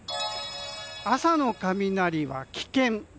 朝の雷は危険。